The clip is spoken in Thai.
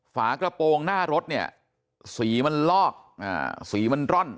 ฝากระโปรงหน้ารถเนี่ยสีมันลอกสีมันร่อน